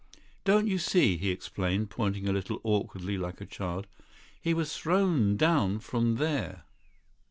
"Don't you see," he explained, pointing a little awkwardly like a child, "he was thrown down from there?"